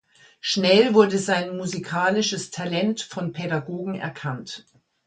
Schnell wurde sein musikalisches Talent von Pädagogen erkannt.